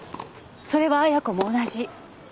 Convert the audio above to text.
それは亜矢子も同じ。